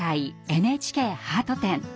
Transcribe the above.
ＮＨＫハート展。